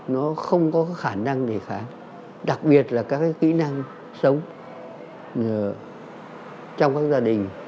nó không có khả năng để khả đặc biệt là các cái kỹ năng sống trong các gia đình